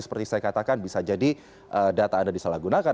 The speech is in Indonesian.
seperti saya katakan bisa jadi data anda disalahgunakan